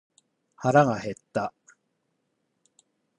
腹が減った。